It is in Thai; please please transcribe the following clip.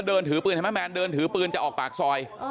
เดินถือปืนเห็นไหมแมนเดินถือปืนจะออกปากซอย